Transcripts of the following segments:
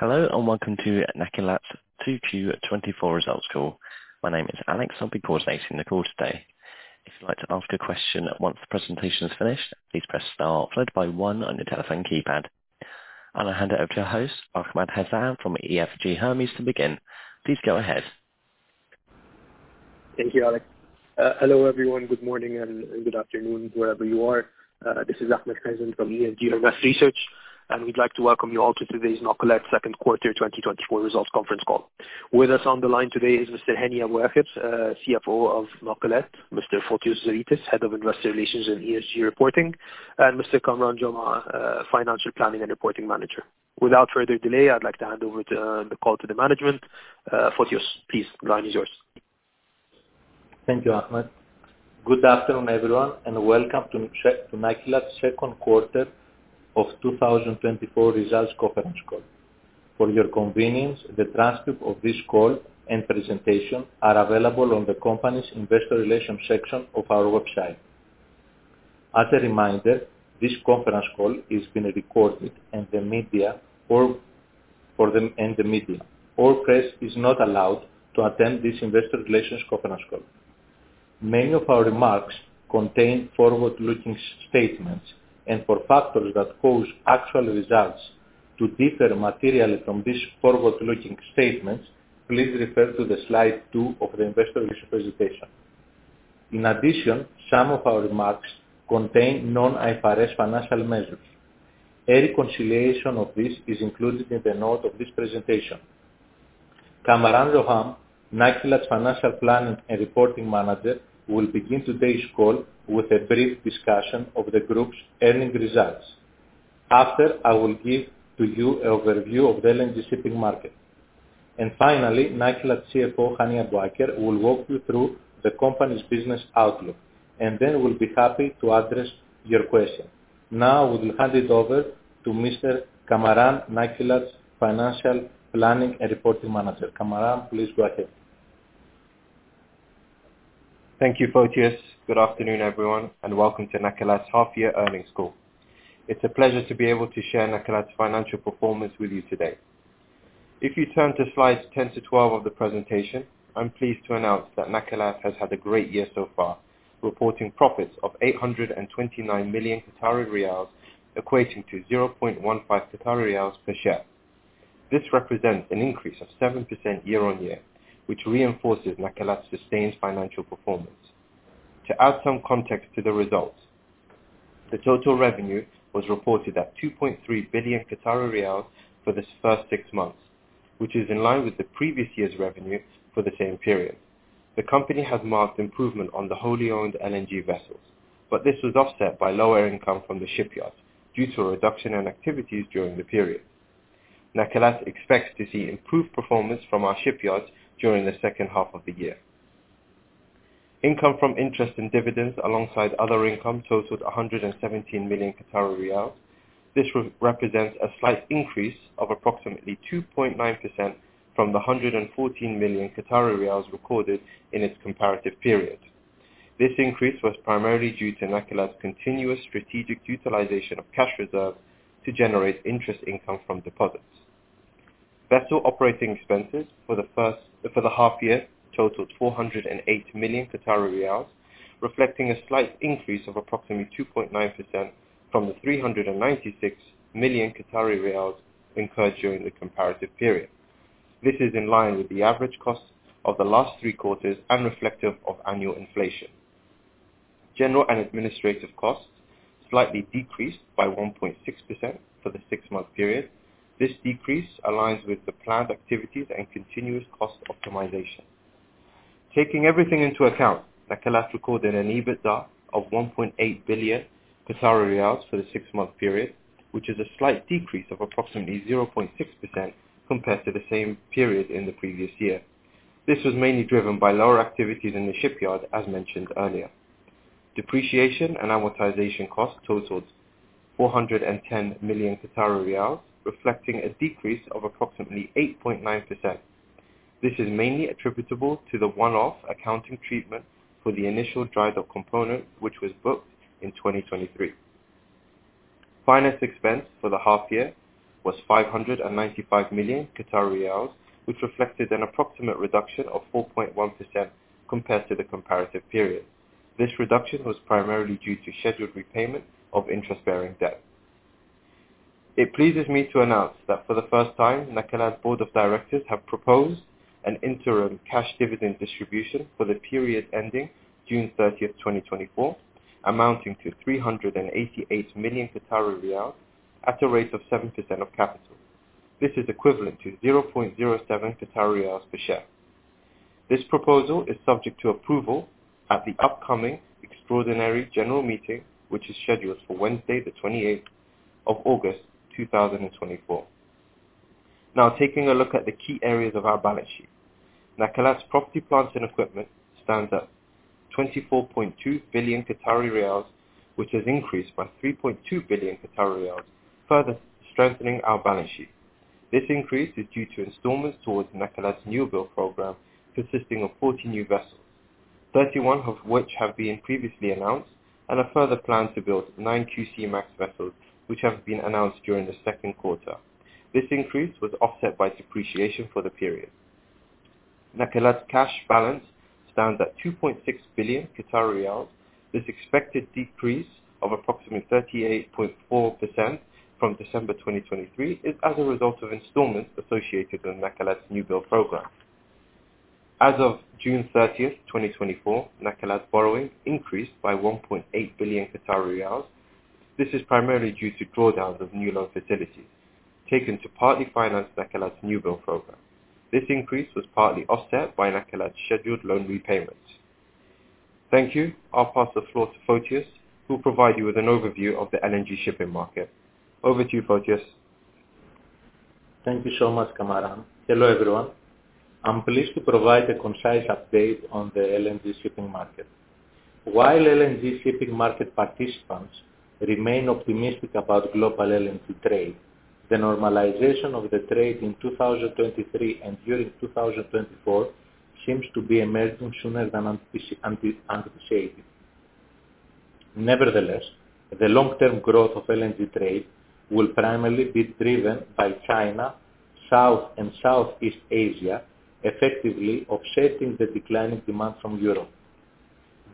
Hello, welcome to Nakilat's 2Q 2024 results call. My name is Alex. I'll be coordinating the call today. If you'd like to ask a question once the presentation is finished, please press star followed by one on your telephone keypad. I'll now hand it over to our host, Ahmed Hassan from EFG Hermes, to begin. Please go ahead. Thank you, Alex. Hello, everyone. Good morning and good afternoon, wherever you are. This is Ahmed Hassan from EFG Hermes Research, and we'd like to welcome you all to today's Nakilat second quarter 2024 results conference call. With us on the line today is Mr. Hani Abuaker, CFO of Nakilat, Mr. Fotios Zeritis, Head of Investor Relations and ESG Reporting, and Mr. Kamaran Jomah, Financial Planning and Reporting Manager. Without further delay, I'd like to hand over the call to the management. Fotios, please, the line is yours. Thank you, Ahmed. Good afternoon, everyone, welcome to Nakilat second quarter of 2024 results conference call. For your convenience, the transcript of this call and presentation are available on the company's investor relations section of our website. As a reminder, this conference call is being recorded, the media, or press is not allowed to attend this investor relations conference call. Many of our remarks contain forward-looking statements. For factors that cause actual results to differ materially from these forward-looking statements, please refer to the slide two of the investor relations presentation. In addition, some of our remarks contain non-IFRS financial measures. A reconciliation of this is included in the note of this presentation. Kamaran Jomah, Nakilat's Financial Planning and Reporting Manager, will begin today's call with a brief discussion of the group's earning results. After, I will give to you an overview of the LNG shipping market. Finally, Nakilat CFO, Hani Abuaker, will walk you through the company's business outlook, then we'll be happy to address your question. Now, we will hand it over to Mr. Kamaran, Nakilat's Financial Planning and Reporting Manager. Kamaran, please go ahead. Thank you, Fotios. Good afternoon, everyone, and welcome to Nakilat's half year earnings call. It's a pleasure to be able to share Nakilat's financial performance with you today. If you turn to slides 10 to 12 of the presentation, I'm pleased to announce that Nakilat has had a great year so far, reporting profits of 829 million Qatari riyals, equating to 0.15 Qatari riyals per share. This represents an increase of 7% year-on-year, which reinforces Nakilat's sustained financial performance. To add some context to the results, the total revenue was reported at 2.3 billion Qatari riyals for this first six months, which is in line with the previous year's revenue for the same period. The company has marked improvement on the wholly owned LNG vessels. This was offset by lower income from the shipyards due to a reduction in activities during the period. Nakilat expects to see improved performance from our shipyards during the second half of the year. Income from interest and dividends alongside other income totaled 117 million Qatari riyals. This represents a slight increase of approximately 2.9% from the 114 million Qatari riyals recorded in its comparative period. This increase was primarily due to Nakilat's continuous strategic utilization of cash reserve to generate interest income from deposits. Vessel operating expenses for the half year totaled 408 million riyals, reflecting a slight increase of approximately 2.9% from the 396 million Qatari riyals incurred during the comparative period. This is in line with the average cost of the last three quarters and reflective of annual inflation. General and administrative costs slightly decreased by 1.6% for the six-month period. This decrease aligns with the planned activities and continuous cost optimization. Taking everything into account, Nakilat recorded an EBITDA of 1.8 billion Qatari riyals for the six-month period, which is a slight decrease of approximately 0.6% compared to the same period in the previous year. This was mainly driven by lower activities in the shipyard, as mentioned earlier. Depreciation and amortization costs totaled 410 million riyals, reflecting a decrease of approximately 8.9%. This is mainly attributable to the one-off accounting treatment for the initial dry dock component, which was booked in 2023. Finance expense for the half year was 595 million riyals, which reflected an approximate reduction of 4.1% compared to the comparative period. This reduction was primarily due to scheduled repayment of interest-bearing debt. It pleases me to announce that for the first time, Nakilat Board of Directors have proposed an interim cash dividend distribution for the period ending June 30th, 2024, amounting to 388 million Qatari riyals at a rate of 7% of capital. This is equivalent to 0.07 Qatari riyals per share. This proposal is subject to approval at the upcoming extraordinary general meeting, which is scheduled for Wednesday, the 28th of August 2024. Taking a look at the key areas of our balance sheet. Nakilat's property, plant, and equipment stands at 24.2 billion Qatari riyals, which has increased by 3.2 billion Qatari riyals, further strengthening our balance sheet. This increase is due to installments towards Nakilat's newbuild program, consisting of 40 new vessels, 31 of which have been previously announced and a further plan to build nine Q-Max vessels, which have been announced during the second quarter. This increase was offset by depreciation for the period. Nakilat's cash balance stands at 2.6 billion riyals. This expected decrease of approximately 38.4% from December 2023 is as a result of installments associated with Nakilat's new build program. As of June 30th, 2024, Nakilat's borrowing increased by 1.8 billion Qatari riyals. This is primarily due to drawdowns of new loan facilities taken to partly finance Nakilat's new build program. This increase was partly offset by Nakilat's scheduled loan repayments. Thank you. I'll pass the floor to Fotios, who will provide you with an overview of the LNG shipping market. Over to you, Fotios. Thank you so much, Kamaran. Hello, everyone. I'm pleased to provide a concise update on the LNG shipping market. While LNG shipping market participants remain optimistic about global LNG trade, the normalization of the trade in 2023 and during 2024 seems to be emerging sooner than anticipated. Nevertheless, the long-term growth of LNG trade will primarily be driven by China, South and Southeast Asia, effectively offsetting the declining demand from Europe.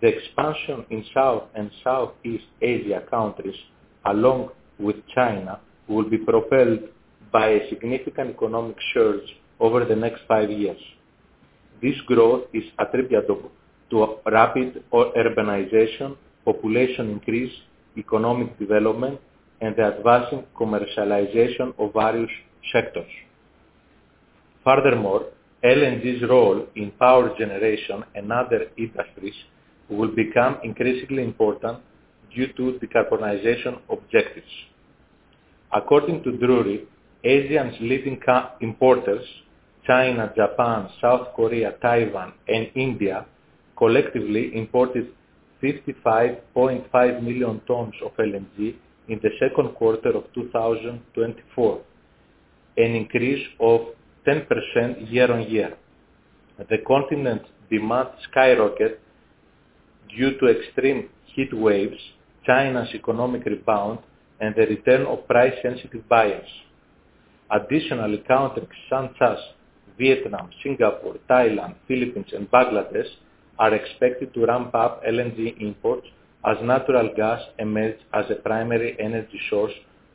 The expansion in South and Southeast Asia countries, along with China, will be propelled by a significant economic surge over the next five years. This growth is attributable to rapid urbanization, population increase, economic development, and the advancing commercialization of various sectors. Furthermore, LNG's role in power generation and other industries will become increasingly important due to decarbonization objectives. According to Drewry, Asia's leading importers, China, Japan, South Korea, Taiwan, and India, collectively imported 55.5 million tons of LNG in the second quarter of 2024, an increase of 10% year-on-year. The continent demand skyrocketed due to extreme heat waves, China's economic rebound, and the return of price-sensitive buyers. Additional countries such as Vietnam, Singapore, Thailand, Philippines, and Bangladesh are expected to ramp up LNG imports as natural gas emerge as a primary energy source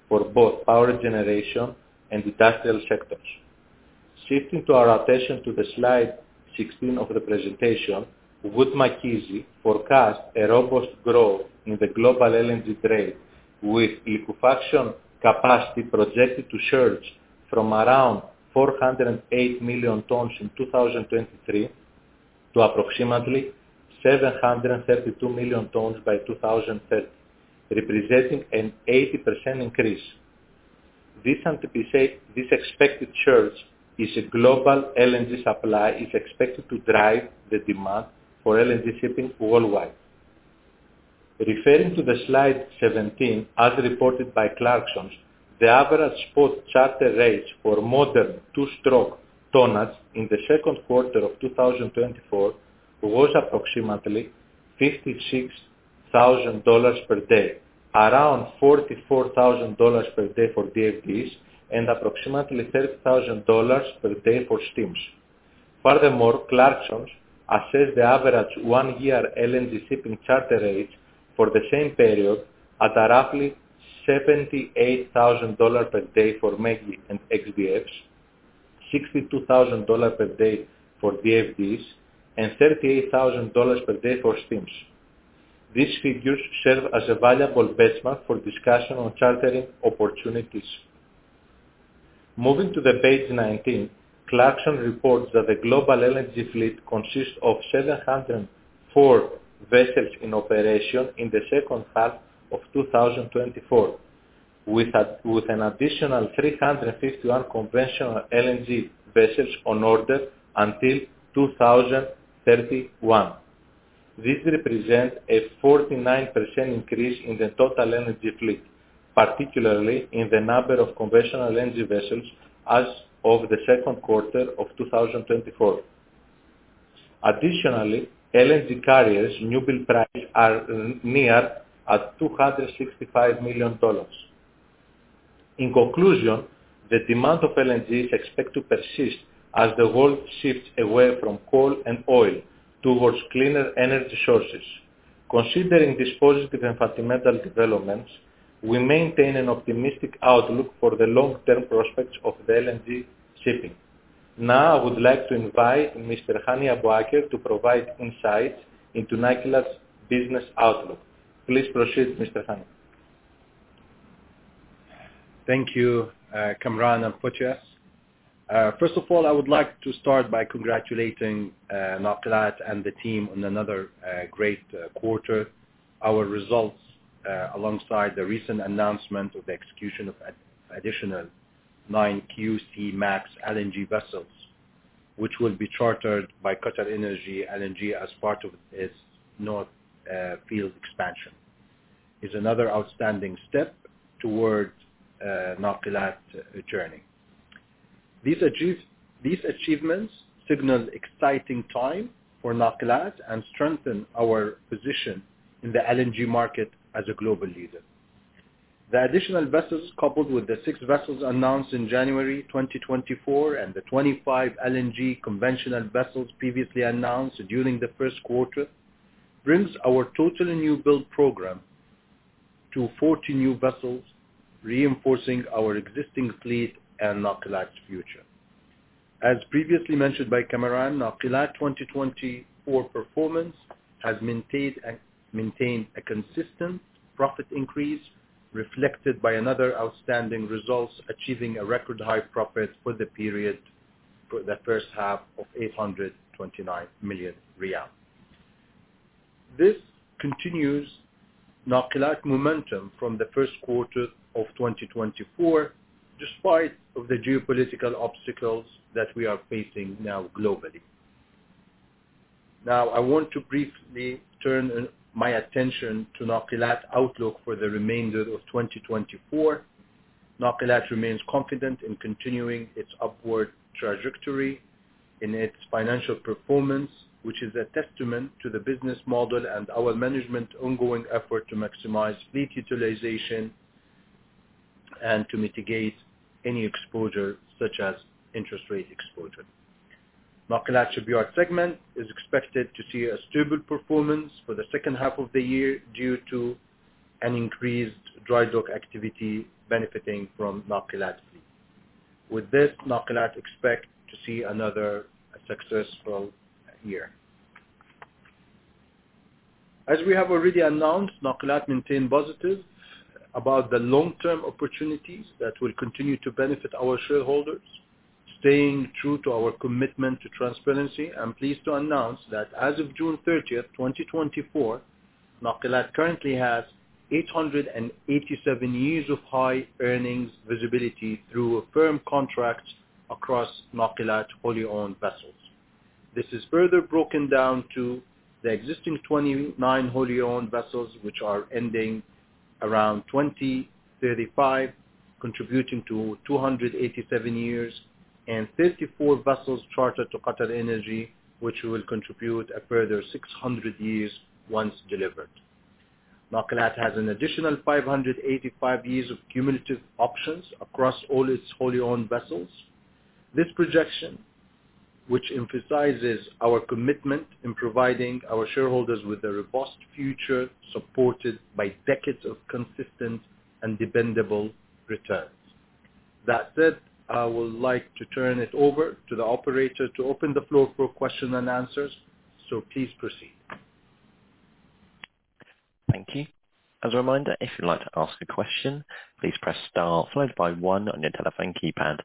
for both power generation and industrial sectors. Shifting our attention to the slide 16 of the presentation, Wood Mackenzie forecasts a robust growth in the global LNG trade, with liquefaction capacity projected to surge from around 408 million tons in 2023 to approximately 732 million tons by 2030, representing an 80% increase. This expected surge in global LNG supply is expected to drive the demand for LNG shipping worldwide. Referring to the slide 17, as reported by Clarksons, the average spot charter rates for modern two-stroke tonnages in the second quarter of 2024 was approximately QAR 56,000 per day, around QAR 44,000 per day for TFDE, and approximately QAR 30,000 per day for steams. Furthermore, Clarksons assessed the average one-year LNG shipping charter rates for the same period at roughly QAR 78,000 per day for MEGI and X-DF, QAR 62,000 per day for TFDE, and QAR 38,000 per day for steams. These figures serve as a valuable benchmark for discussion on chartering opportunities. Moving to page 19, Clarksons reports that the global LNG fleet consists of 704 vessels in operation in the second half of 2024, with an additional 351 conventional LNG vessels on order until 2031. This represents a 49% increase in the total LNG fleet, particularly in the number of conventional LNG vessels as of the second quarter of 2024. Additionally, LNG carriers' new build price are near at $265 million. In conclusion, the demand for LNG is expected to persist as the world shifts away from coal and oil towards cleaner energy sources. Considering these positive and fundamental developments, we maintain an optimistic outlook for the long-term prospects of the LNG shipping. I would like to invite Mr. Hani Abouaker to provide insights into Nakilat's business outlook. Please proceed, Mr. Hani. Thank you, Kamran and Fotios. First of all, I would like to start by congratulating Nakilat and the team on another great quarter. Our results, alongside the recent announcement of the execution of additional 9 QC-Max LNG vessels, which will be chartered by QatarEnergy LNG as part of its North Field expansion, is another outstanding step towards Nakilat's journey. These achievements signal exciting time for Nakilat and strengthen our position in the LNG market as a global leader. The additional vessels, coupled with the 6 vessels announced in January 2024 and the 25 LNG conventional vessels previously announced during the first quarter, brings our total new build program to 40 new vessels, reinforcing our existing fleet and Nakilat's future. As previously mentioned by Kamran, Nakilat 2024 performance has maintained a consistent profit increase, reflected by another outstanding results, achieving a record high profit for the period for the first half of 829 million QAR. This continues Nakilat momentum from the first quarter of 2024, despite of the geopolitical obstacles that we are facing now globally. I want to briefly turn my attention to Nakilat outlook for the remainder of 2024. Nakilat remains confident in continuing its upward trajectory in its financial performance, which is a testament to the business model and our management's ongoing effort to maximize fleet utilization and to mitigate any exposure, such as interest rate exposure. Nakilat shipyard segment is expected to see a stable performance for the second half of the year due to an increased dry dock activity benefiting from Nakilat. Nakilat expect to see another successful year. As we have already announced, Nakilat maintain positive about the long-term opportunities that will continue to benefit our shareholders. Staying true to our commitment to transparency, I'm pleased to announce that as of June 30th, 2024, Nakilat currently has 887 years of high earnings visibility through firm contracts across Nakilat wholly-owned vessels. This is further broken down to the existing 29 wholly-owned vessels, which are ending around 2035, contributing to 287 years, and 34 vessels chartered to QatarEnergy, which will contribute a further 600 years once delivered. Nakilat has an additional 585 years of cumulative options across all its wholly-owned vessels. This projection, which emphasizes our commitment in providing our shareholders with a robust future supported by decades of consistent and dependable returns. That said, I would like to turn it over to the operator to open the floor for question and answers. Please proceed. Thank you. As a reminder, if you'd like to ask a question, please press star followed by one on your telephone keypad.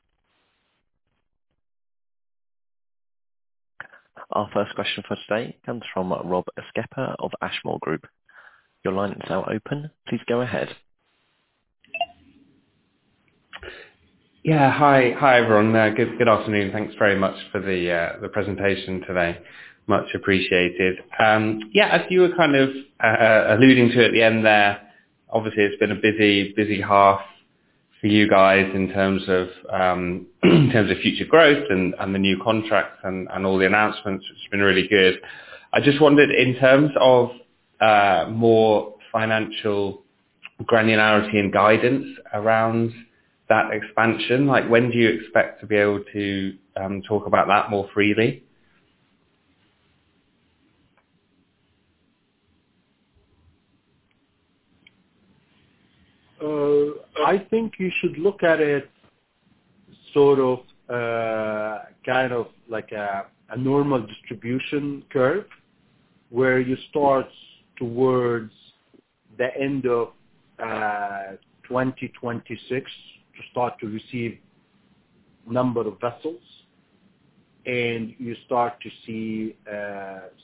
Our first question for today comes from Rob Skepper of Ashmore Group. Your line is now open. Please go ahead. Yeah. Hi, everyone. Good afternoon. Thanks very much for the presentation today. Much appreciated. Yeah, as you were kind of alluding to at the end there, obviously, it's been a busy half for you guys in terms of future growth and the new contracts and all the announcements. It's been really good. I just wondered, in terms of more financial granularity and guidance around that expansion, when do you expect to be able to talk about that more freely? I think you should look at it sort of like a normal distribution curve, where you start towards the end of 2026 to start to receive number of vessels, and you start to see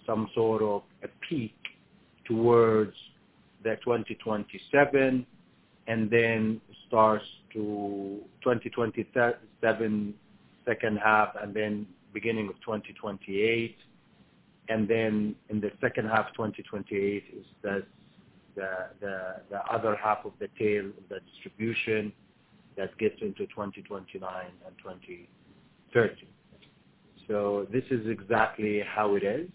some sort of a peak towards the 2027, and then starts to 2027 second half and then beginning of 2028. Then in the second half 2028 is the other half of the tail of the distribution that gets into 2029 and 2030. This is exactly how it is.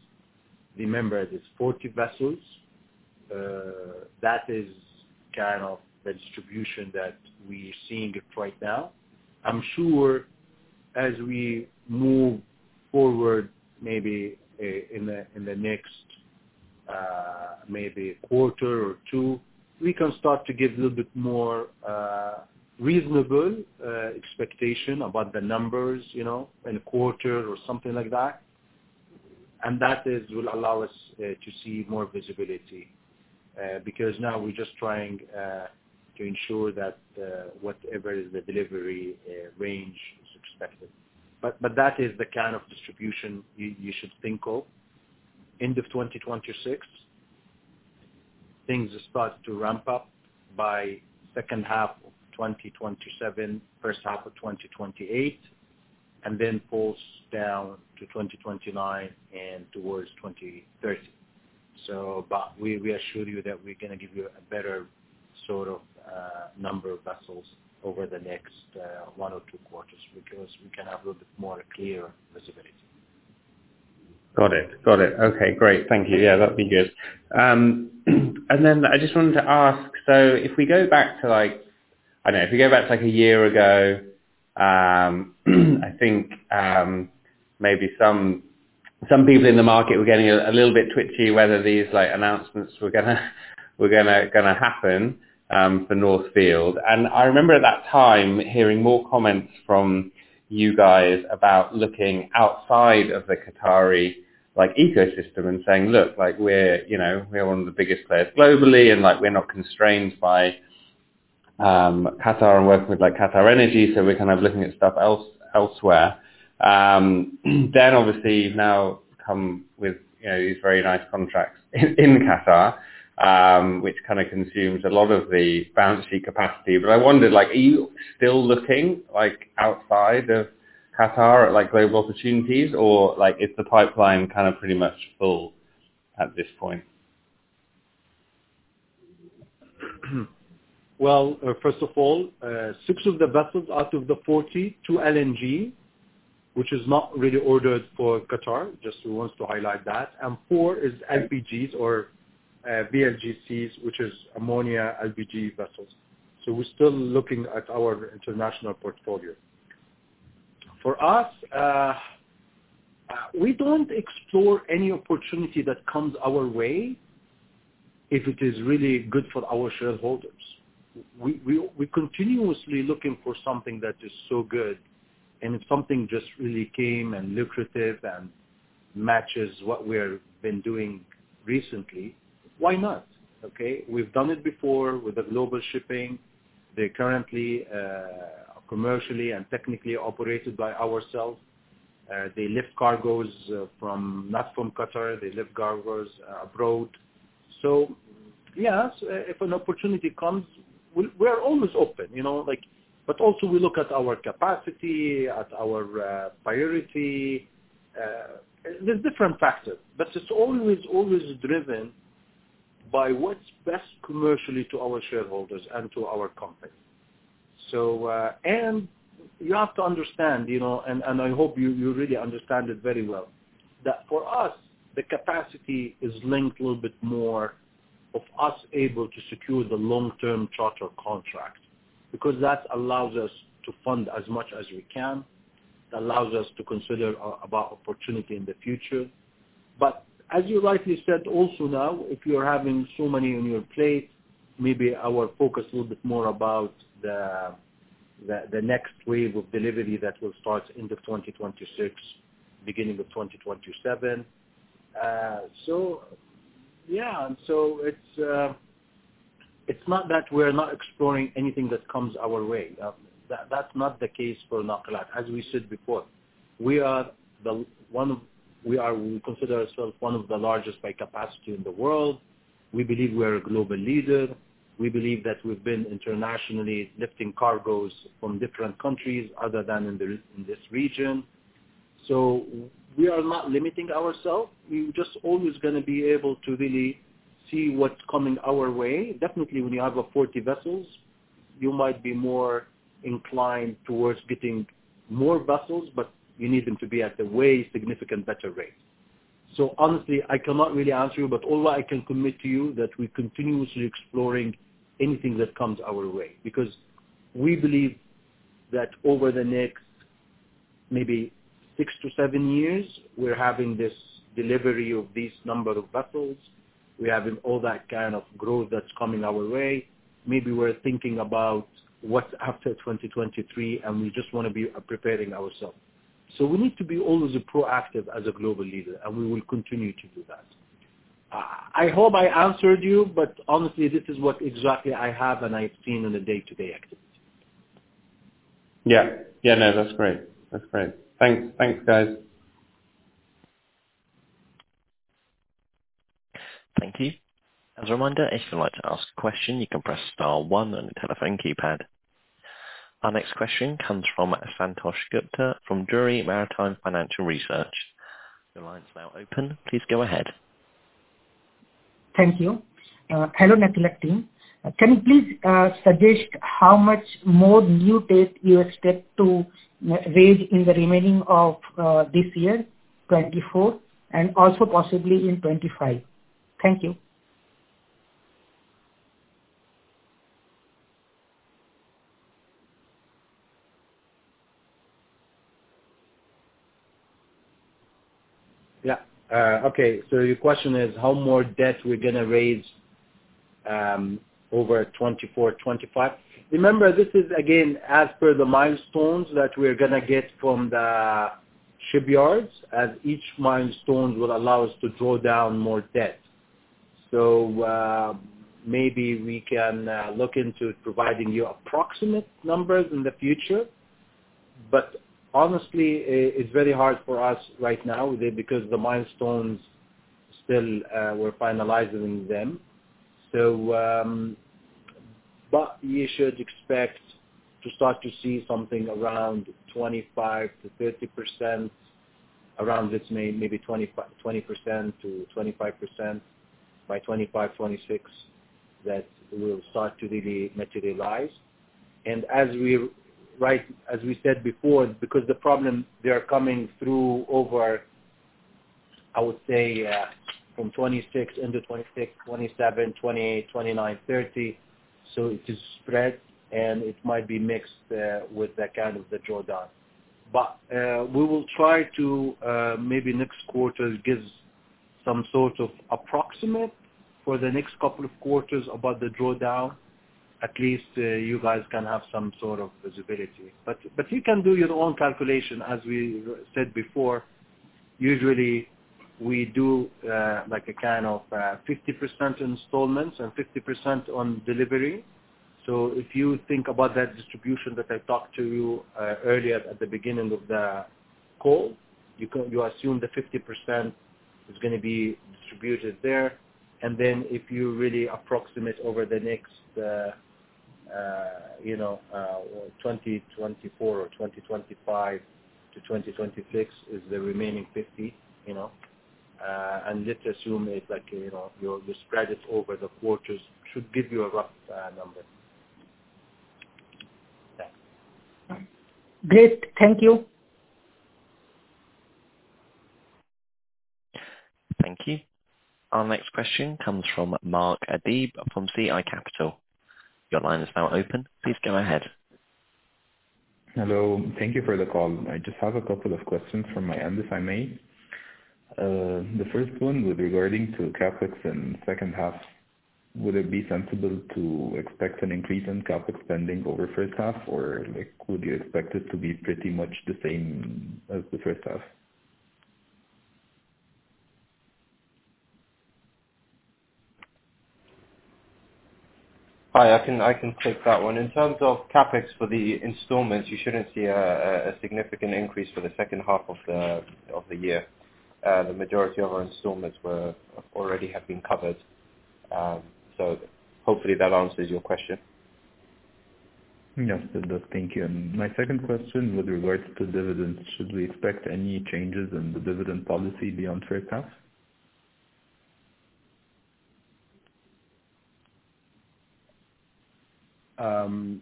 Remember, there's 40 vessels. That is kind of the distribution that we seeing it right now. I'm sure as we move forward, maybe in the next maybe quarter or two, we can start to give a little bit more reasonable expectation about the numbers in a quarter or something like that. That will allow us to see more visibility, because now we're just trying to ensure that whatever is the delivery range is expected. That is the kind of distribution you should think of. End of 2026, things start to ramp up by second half of 2027, first half of 2028, and then falls down to 2029 and towards 2030. We assure you that we're going to give you a better number of vessels over the next one or two quarters because we can have a little bit more clear visibility. Got it. Okay, great. Thank you. Yeah, that'd be good. Then I just wanted to ask, if we go back to like, I don't know, if we go back to like a year ago, I think, maybe some people in the market were getting a little bit twitchy whether these announcements were going to happen, for North Field. I remember at that time hearing more comments from you guys about looking outside of the Qatari ecosystem and saying, "Look, we're one of the biggest players globally, and we're not constrained by Qatar and working with QatarEnergy, so we're looking at stuff elsewhere." Then obviously you've now come with these very nice contracts in Qatar, which consumes a lot of the bulk capacity. I wondered, are you still looking outside of Qatar at global opportunities, or is the pipeline pretty much full at this point? Well, first of all, six of the vessels out of the 42 LNG, which is not really ordered for Qatar, just wants to highlight that, and four is LPGs or VLGCs, which is ammonia LPG vessels. We're still looking at our international portfolio. For us, we don't explore any opportunity that comes our way if it is really good for our shareholders. We continuously looking for something that is so good, and if something just really came and lucrative and matches what we're been doing recently, why not, okay? We've done it before with the global shipping. They currently, commercially and technically operated by ourselves. They lift cargos not from Qatar. They lift cargos abroad. Yes, if an opportunity comes, we are always open. Also we look at our capacity, at our priority. There's different factors. It's always driven by what's best commercially to our shareholders and to our company. You have to understand, and I hope you really understand it very well, that for us, the capacity is linked a little bit more of us able to secure the long-term charter contract. That allows us to fund as much as we can. It allows us to consider about opportunity in the future. As you rightly said also now, if you're having so many on your plate, maybe our focus a little bit more about the next wave of delivery that will start end of 2026, beginning of 2027. It's not that we're not exploring anything that comes our way. That's not the case for Nakilat. As we said before, we consider ourself one of the largest by capacity in the world. We believe we are a global leader. We believe that we've been internationally lifting cargos from different countries other than in this region. We are not limiting ourself. We just always going to be able to really see what's coming our way. Definitely, when you have over 40 vessels, you might be more inclined towards getting more vessels, but you need them to be at a way significant better rate. Honestly, I cannot really answer you, but all I can commit to you that we continuously exploring anything that comes our way. We believe that over the next maybe six to seven years, we're having this delivery of these number of vessels. We're having all that kind of growth that's coming our way. Maybe we're thinking about what's after 2023, and we just want to be preparing ourself. We need to be always proactive as a global leader, and we will continue to do that. I hope I answered you, but honestly, this is what exactly I have and I've seen on a day-to-day activity. Yeah. No, that's great. Thanks, guys. Thank you. As a reminder, if you'd like to ask a question, you can press star one on your telephone keypad. Our next question comes from Santosh Gupta from Drewry Maritime Financial Research. Your line's now open. Please go ahead. Thank you. Hello, Nakilat team. Can you please suggest how much more new debt you expect to raise in the remaining of this year, 2024, and also possibly in 2025? Thank you. Yeah. Okay, your question is how more debt we're going to raise, over 2024, 2025. Remember, this is again, as per the milestones that we're going to get from the shipyards, as each milestone will allow us to draw down more debt. Maybe we can look into providing you approximate numbers in the future. Honestly, it's very hard for us right now because the milestones, still we're finalizing them. You should expect to start to see something around 25%-30%, around maybe 20%-25% by 2025, 2026, that will start to really materialize. As we said before, because the problem, they are coming through over, I would say, end of 2026, 2027, 2028, 2029, 2030. It is spread, and it might be mixed with that kind of the drawdown. We will try to, maybe next quarter, give some sort of approximate for the next couple of quarters about the drawdown. At least you guys can have some sort of visibility. You can do your own calculation. As we said before, usually we do a kind of 50% installments and 50% on delivery. If you think about that distribution that I talked to you earlier at the beginning of the call, you assume the 50% is going to be distributed there. Then if you really approximate over the next 2024 or 2025-2026 is the remaining 50%. Let's assume you spread it over the quarters, should give you a rough number. Thanks. Great. Thank you. Thank you. Our next question comes from Mark Adib from CI Capital. Your line is now open. Please go ahead. Hello. Thank you for the call. I just have a couple of questions from my end, if I may. The first one with regarding to CapEx in second half, would it be sensible to expect an increase in CapEx spending over first half, or would you expect it to be pretty much the same as the first half? Hi, I can take that one. In terms of CapEx for the installments, you shouldn't see a significant increase for the second half of the year. The majority of our installments already have been covered. Hopefully that answers your question. Yes, it does. Thank you. My second question with regards to dividends, should we expect any changes in the dividend policy beyond first half?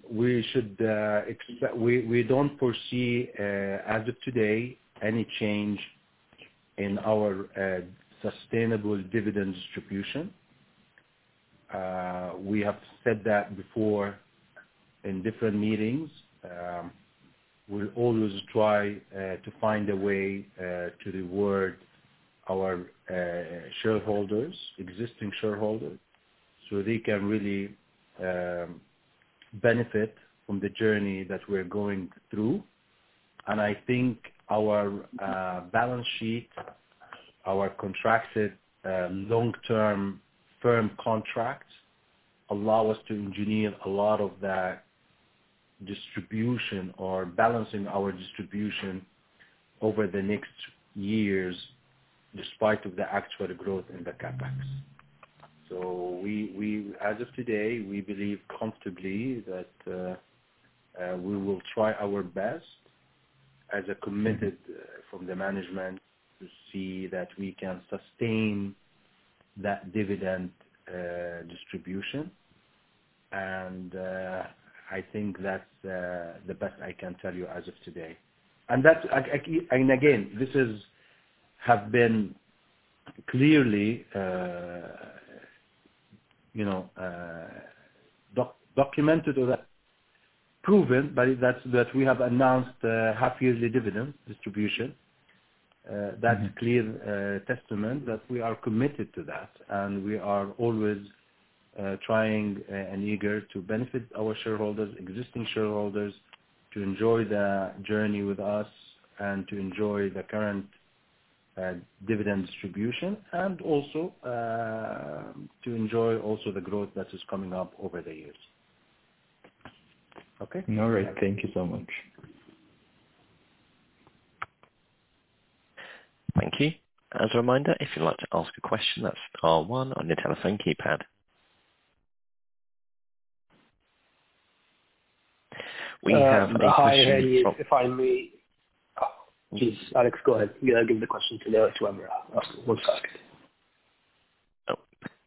We don't foresee, as of today, any change in our sustainable dividend distribution. We have said that before in different meetings. We always try to find a way to reward our existing shareholders so they can really benefit from the journey that we're going through. I think our balance sheet, our contracted long-term firm contracts, allow us to engineer a lot of that distribution or balancing our distribution over the next years, despite of the actual growth in the CapEx. As of today, we believe comfortably that we will try our best, as a commitment from the management, to see that we can sustain that dividend distribution. I think that's the best I can tell you as of today. Again, this have been clearly documented or proven by that we have announced half yearly dividend distribution. That's clear testament that we are committed to that. We are always trying and eager to benefit our shareholders, existing shareholders, to enjoy the journey with us, to enjoy the current dividend distribution, and also to enjoy the growth that is coming up over the years. Okay? All right. Thank you so much. Thank you. As a reminder, if you'd like to ask a question, that's star one on your telephone keypad. We have a question from- Hi, Hani. If I may Geez, Alex, go ahead. Yeah, give the question to whoever asked it one sec. Oh,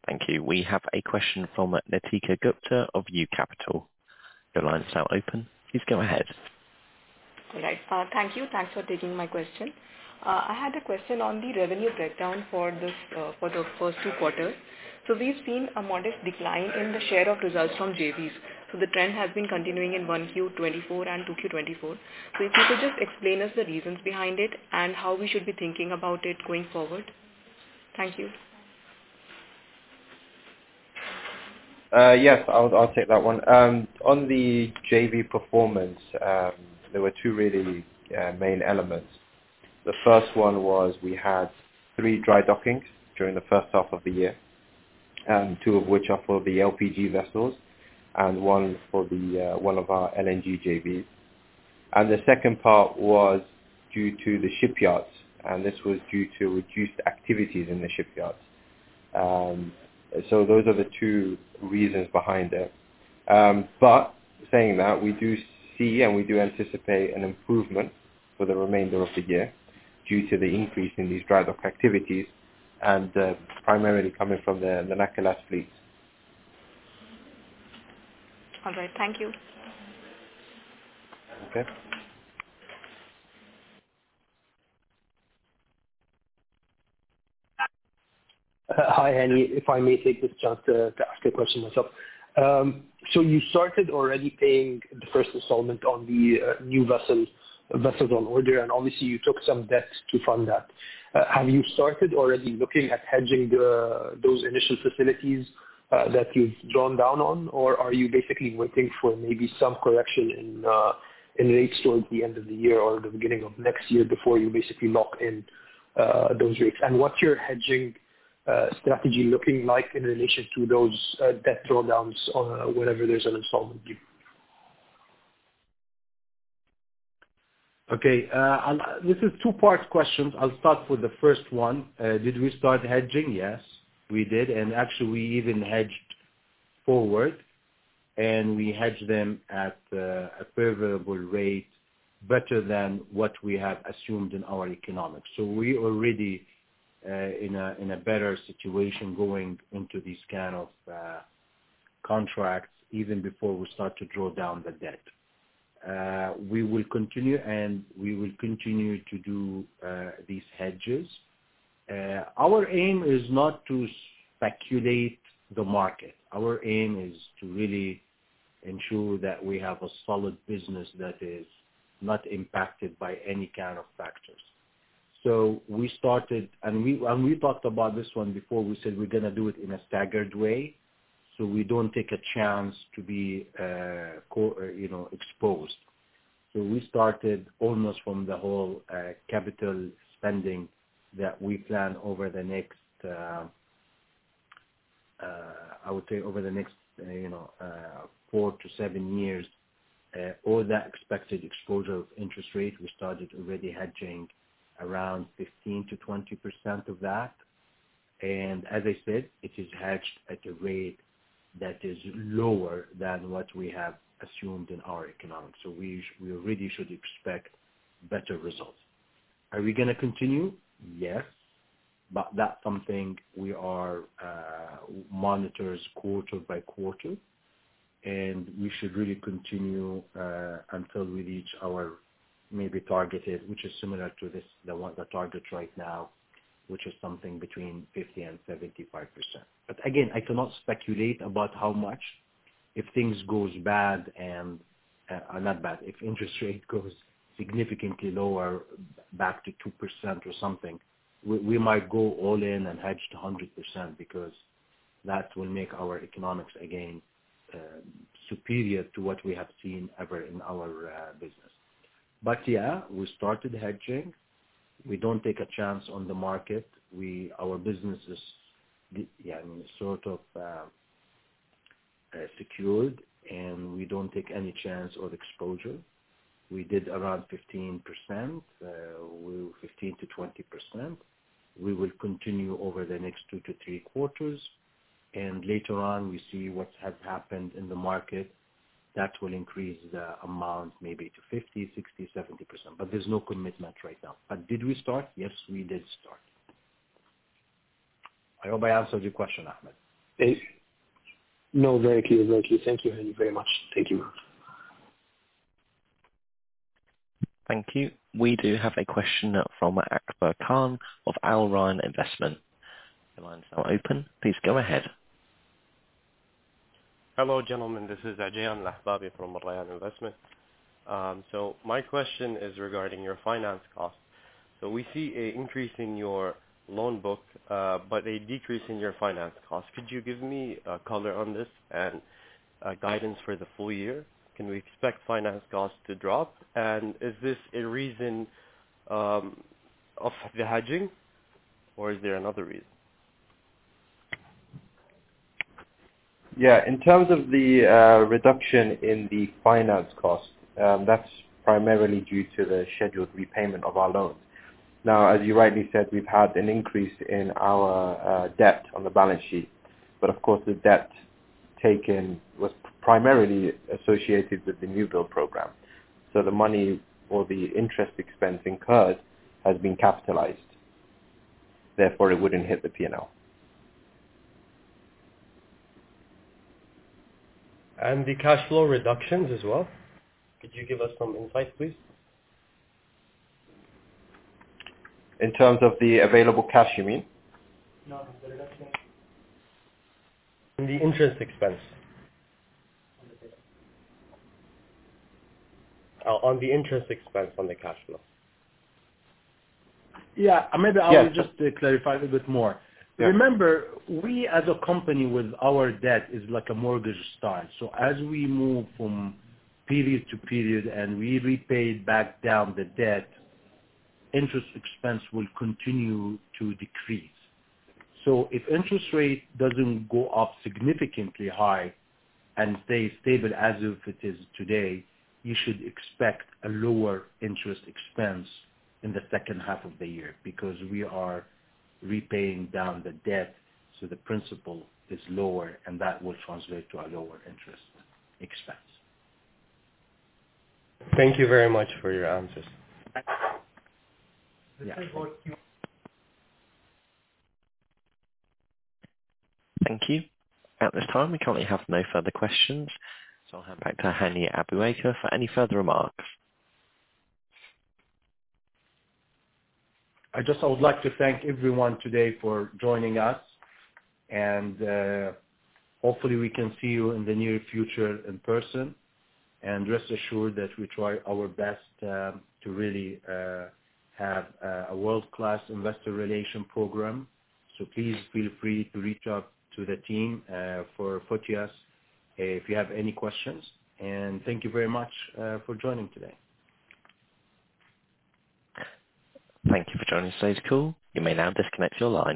thank you. We have a question from Nitika Gupta of UT Capital. Your line is now open. Please go ahead. All right. Thank you. Thanks for taking my question. I had a question on the revenue breakdown for the first two quarters. We've seen a modest decline in the share of results from JVs. The trend has been continuing in 1Q 2024 and 2Q 2024. If you could just explain us the reasons behind it and how we should be thinking about it going forward. Thank you. Yes. I'll take that one. On the JV performance, there were two really main elements. The first one was we had three dry dockings during the first half of the year, two of which are for the LPG vessels and one for one of our LNG JVs. The second part was due to the shipyards, and this was due to reduced activities in the shipyards. Those are the two reasons behind it. Saying that, we do see and we do anticipate an improvement for the remainder of the year due to the increase in these drydock activities and primarily coming from the Nakilat fleet. All right. Thank you. Okay. Hi, Hani. If I may take this chance to ask a question myself. You started already paying the first installment on the new vessels on order, and obviously you took some debt to fund that. Have you started already looking at hedging those initial facilities that you've drawn down on, or are you basically waiting for maybe some correction in rates towards the end of the year or the beginning of next year before you basically lock in those rates? What's your hedging strategy looking like in relation to those debt drawdowns or whenever there's an installment due? Okay. This is two parts question. I'll start with the first one. Did we start hedging? Yes, we did. Actually, we even hedged forward, and we hedged them at a favorable rate better than what we have assumed in our economics. We already in a better situation going into these kind of contracts, even before we start to draw down the debt. We will continue to do these hedges. Our aim is not to speculate the market. Our aim is to really ensure that we have a solid business that is not impacted by any kind of factors. We started, and we talked about this one before. We said we're going to do it in a staggered way, so we don't take a chance to be exposed. We started almost from the whole capital spending that we plan over the next, I would say over the next four to seven years. All that expected exposure of interest rate, we started already hedging around 15%-20% of that. As I said, it is hedged at a rate that is lower than what we have assumed in our economics. We really should expect better results. Are we going to continue? Yes. That's something we are monitors quarter by quarter. We should really continue until we reach our maybe targeted, which is similar to the target right now, which is something between 50%-75%. Again, I cannot speculate about how much. If things goes bad. If interest rate goes significantly lower back to 2% or something, we might go all in and hedge to 100% because that will make our economics again, superior to what we have seen ever in our business. Yeah, we started hedging. We don't take a chance on the market. Our business is sort of secured, and we don't take any chance of exposure. We did around 15%. Well, 15%-20%. We will continue over the next two to three quarters, and later on, we see what has happened in the market. That will increase the amount maybe to 50%, 60%, 70%. There's no commitment right now. Did we start? Yes, we did start. I hope I answered your question, Ahmed. Very clear. Thank you, Hani, very much. Thank you. Thank you. We do have a question from Akber Khan of Al Rayan Investment. Your line is now open. Please go ahead. Hello, gentlemen. This is Ajan Lahbabi from Al Rayan Investment. My question is regarding your finance cost. We see an increase in your loan book, but a decrease in your finance cost. Could you give me a color on this and a guidance for the full year? Can we expect finance cost to drop? Is this a reason of the hedging or is there another reason? Yeah. In terms of the reduction in the finance cost, that's primarily due to the scheduled repayment of our loans. Now, as you rightly said, we've had an increase in our debt on the balance sheet. Of course, the debt taken was primarily associated with the new build program. The money or the interest expense incurred has been capitalized. Therefore, it wouldn't hit the P&L. The cash flow reductions as well. Could you give us some insight, please? In terms of the available cash, you mean? No, the reduction in the interest expense. On the interest expense on the cash flow. Yeah. Maybe I will just clarify a bit more. Yeah. Remember, we as a company with our debt is like a mortgage style. As we move from period to period and we repay back down the debt, interest expense will continue to decrease. If interest rate doesn't go up significantly high and stays stable as if it is today, you should expect a lower interest expense in the second half of the year because we are repaying down the debt, so the principal is lower, and that will translate to a lower interest expense. Thank you very much for your answers. Thank you. At this time, we currently have no further questions, so I'll hand back to Hani Abuaker for any further remarks. I just would like to thank everyone today for joining us, and hopefully we can see you in the near future in person. Rest assured that we try our best to really have a world-class investor relation program. Please feel free to reach out to the team for Qatargas if you have any questions, and thank you very much for joining today. Thank you for joining today's call. You may now disconnect your line.